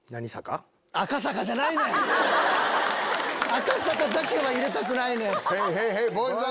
赤坂だけは入れたくないねん。